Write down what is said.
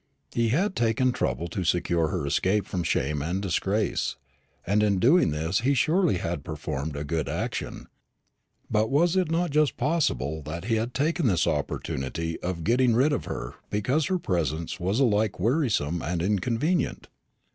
He had taken trouble to secure her escape from shame and disgrace, and in doing this he surely had performed a good action; but was it not just possible that he had taken this opportunity of getting rid of her because her presence was alike wearisome and inconvenient?